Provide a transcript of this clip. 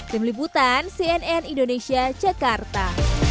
tim liputan cnn indonesia jakarta